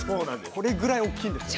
これぐらい大きいんですよね。